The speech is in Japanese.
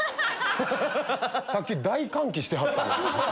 さっき大歓喜してはった。